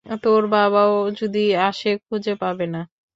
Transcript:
তোর বাবাও যদি আসে খুঁজে পাবে না।